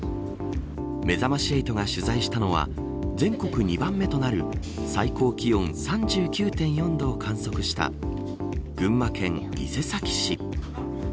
めざまし８が取材したのは全国２番目となる最高気温３９．４度を観測した群馬県伊勢崎市。